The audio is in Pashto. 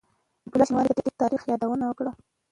حسيب الله شينواري د تېر تاريخ يادونه وکړه.